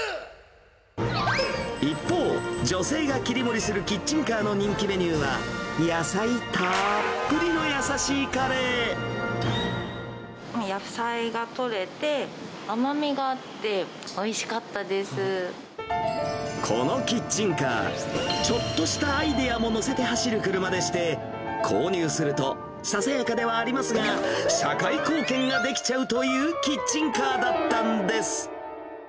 一方、女性が切り盛りするキッチンカーの人気メニューは、野菜がとれて、甘みがあって、このキッチンカー、ちょっとしたアイデアも乗せて走る車でして、購入すると、ささやかではありますが、社会貢献ができちゃうというキッチンカーだったんです。